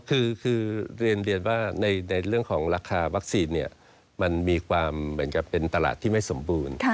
คือเรียนว่าในเรื่องของราคาวัคซีนเนี่ยมันมีความเหมือนกับเป็นตลาดที่ไม่สมบูรณ์